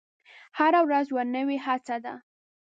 هره ورځ یوه نوې هڅه ده.